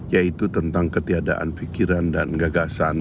yaitu tentang ketiadaan pikiran dan gagasan